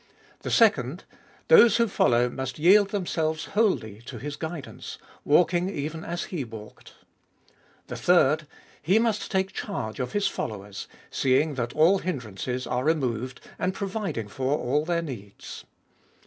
The second : those who follow must yield themselves wholly to His guidance, walking even as He walked. The third : He must take charge of His followers, seeing that all hindrances are removed, and providing for all their needs.